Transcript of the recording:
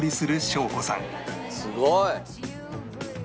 すごい！